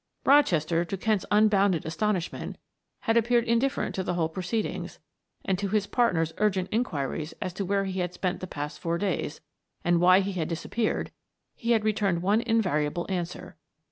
Rochester, to Kent's unbounded astonishment, had appeared indifferent to the whole proceedings; and to his partner's urgent inquiries as to where he had spent the past four days, and why he had disappeared, he had returned one invariable answer.